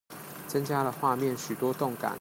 增加了畫面許多動感